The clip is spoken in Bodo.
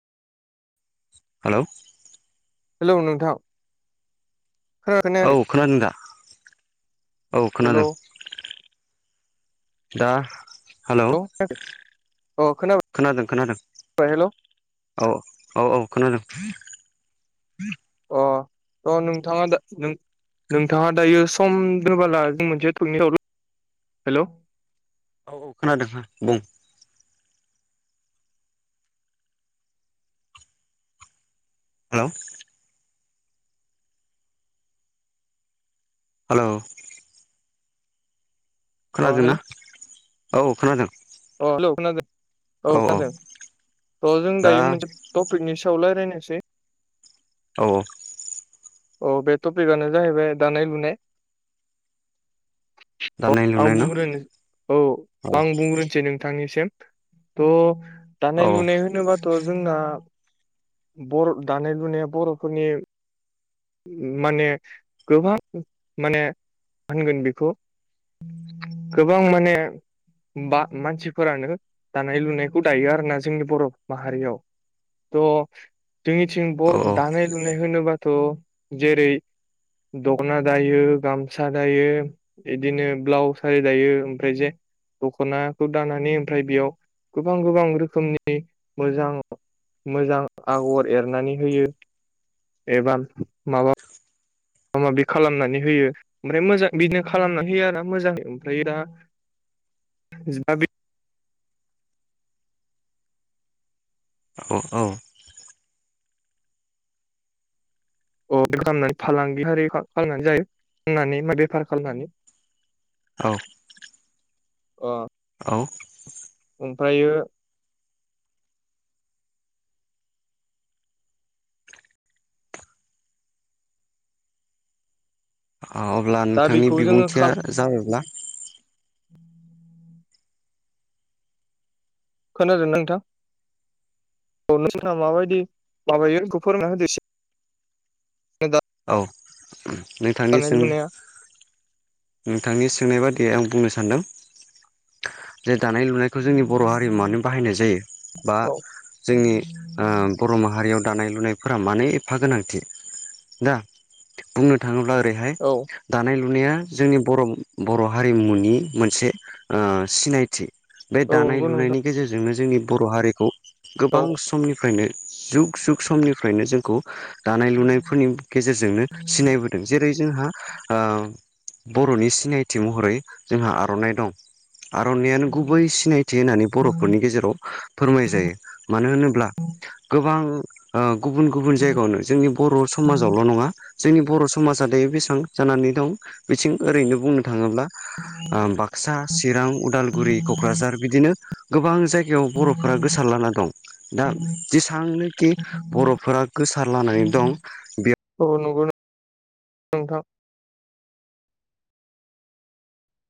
हेलौ हेलौ नोंथां औ [unintelligible] खोनादों दा औ हेलौ खोनादों दा हेलौ अ खोनाबाय खोनादों खोनादों हेलौ औ औ औ खोनादों अ अ नोंथाङा दा नों नोंथाङा दायो सम [unintelligible] हेलौ औ औ खोनादों हो बुं हेलौ हेलौ अ खोनादोंना औ खोनादों औ हेलौ खोनादों औ खोनादों अ जों दा दायो मोनसे टपिकनि सायाव रायलायनोसै औ औ अ बे टपिकनो जाहैबाय दानाय लुनाय [unintelligible] दानाय आं लुनाय न बुंग्रोनो औ औ आं बुंग्रोनोसै नों थांनिसिम थ' औ दानाय लुनाय होनोबा थ' जोंना बर दानाय लुनाया बर'फोरनि माने गोबां माने होनगोन बेखौ गोबां माने बा मानसिफोरानो दानाय लुनायखौ दायो आरो ना जोंनि बर' माहारियाव थ' जोंनिथिं औ बर दानाय लुनाय होनोबाथ' जेरै- दख'ना दायो गामसा दायो। इदिनो ब्लाउस आरि दायो ओमफ्राय जे दख'नाखौ दानानै ओमफ्राय बेयाव गोबां गोबां रोखोमनि मोजां मोजां आगर एरनानै होयो एबा माबा माबा माबि खालामनानै होयो ओमफ्राय मोजां बिदिनो खालामनानै होयो आरोना मोजां ओमफ्राय दा [unintelligible] औ औ [unintelligible] खालामनानै जायो फाननानै मा बेफार खालामनानै औ अ औ। ओमफ्रायो ओ अब्ला दा नोंथांनि बेखौ जोङो बिबुंथिया खाल जाबायब्ला खोनादोंना नोंथां औ नोंसाहा माबायदि माबायो बेखौ फोरमायना होदो एसे [unintelligible] औ दानाय नोंथांनिसिम लुनाया नोंथांनि सोंनाय बादियै आं बुंनो सानदों। जे दानाय लुनायखौ जोंनि बर' हारियाव मानो बाहायनाय जायो बा औ जोंनि ओ बर' माहारियाव दानाय लुनायफोरा मानो एफा गोनांथि दा बुंनो थाङोब्ला ओरैहाय औ दानाय लुनाया जोंनि बर' बर' हारिमुनि मोनसे ओ सिनायथि बे औ दानाय नंगौ लुनायनि नोंथां गेजेरजोंनो जोंनि बर' हारिखौ औ गोबां समनिफ्रायनो जुग सुख समनिफ्रायनो जोंखौ दानाय लुनायफोरनि गेजेरजोंनो सिनायबोदों जेरै जोंहा ओ बर'नि सिनायथि महरै जोंहा आर'नाइ दं आर'नायानो गुबै सिनाय थि होननानै बर'फोरनि गेजेराव फोरमाय जायो मानो होनोब्ला गोबां ओ गुबुन गुबुन जायगायावनो जोंनि बर' समाजावल' नङा जोंनि बर' समाजा दायो बेसेबां जानानै दं बिथिं ओरैनो बुंनो थाङोब्ला ओ बाक्सा चिरां उदालगुरि क'क्राझार बिदिनो गोबां जायगायाव बर'फोरा गोसार लाना दं। दा जेसेबांनोखि बर'फोरा गोसारलानानै दं बेयाव [unintelligible] नोंथां